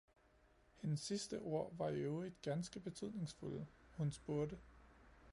Hendes sidste ord var i øvrigt ganske betydningsfulde, hun spurgte